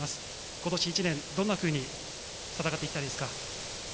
今年一年、どんなふうに戦っていきたいですか？